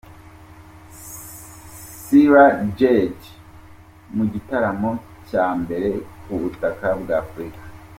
Skyler Jett mu gitaramo cya mbere ku butaka bwa Afurika.